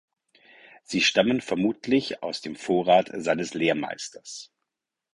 Sie stammen vermutlich aus dem Vorrat seines Lehrmeisters.